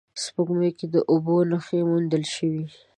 سپوږمۍ کې د اوبو نخښې موندل شوې